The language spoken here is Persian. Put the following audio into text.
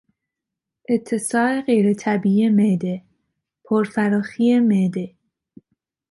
اتساع غیرطبیعی معده، پرفراخی معده